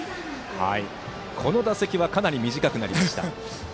この打席はかなり短くなりました。